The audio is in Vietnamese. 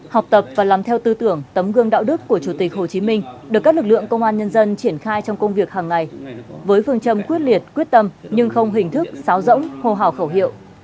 học tập và làm theo tư tưởng tấm gương đạo đức của chủ tịch hồ chí minh được các lực lượng công an nhân dân triển khai trong công việc hàng ngày với phương châm quyết liệt quyết tâm nhưng không hình thức xáo rỗng hô hào khẩu hiệu